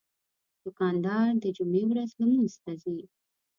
دوکاندار د جمعې ورځ لمونځ ته ځي.